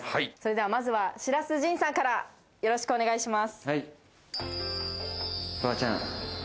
まず白洲迅さんからよろしくお願いします。